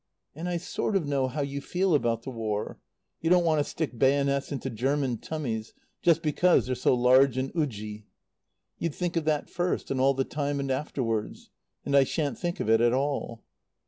"And I sort of know how you feel about the War. You don't want to stick bayonets into German tummies, just because they're so large and oodgy. You'd think of that first and all the time and afterwards. And I shan't think of it at all.